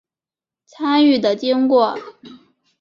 参与的经过